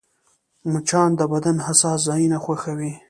مچان د بدن حساس ځایونه خوښوي